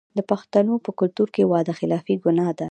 د پښتنو په کلتور کې وعده خلافي ګناه ده.